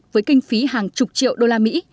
với kinh phí hàng chục triệu đô la mỹ